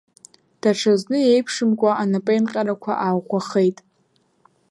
Даҽазны еиԥшымкәа анапеинҟьарақәа ааӷәӷәахеит.